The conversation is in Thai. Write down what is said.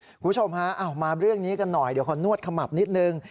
คุณผู้ชมฮะมาเรื่องนี้กันหน่อยเดี๋ยวขอนวดขมับนิดนึง